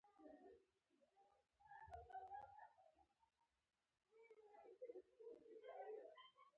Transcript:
په دې ډول د انسانانو د شمېر ډېرېدو امکان رامنځته شو.